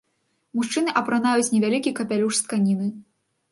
Мужчыны апранаюць невялікі капялюш з тканіны.